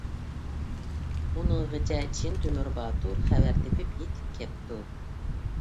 ئۇنىڭغىچە چىن تۆمۈر باتۇر خەۋەر تېپىپ يېتىپ كەپتۇ.